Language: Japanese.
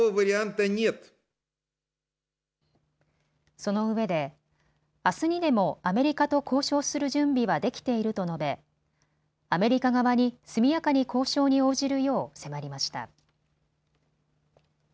そのうえであすにでもアメリカと交渉する準備はできていると述べアメリカ側に速やかに交渉に応じるよう迫りました。